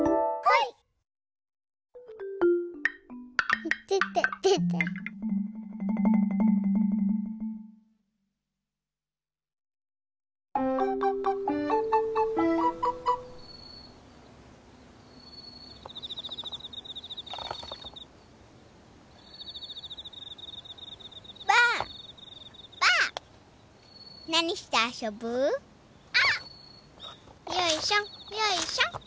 よいしょよいしょ。